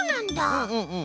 うんうんうん。